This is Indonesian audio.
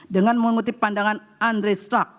dengan mengutip pandangan andri strak